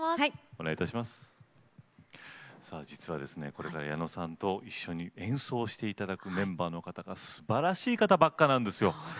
実は、矢野さんと一緒に演奏していただくメンバーの方すばらしい方ばっかりなんですよ。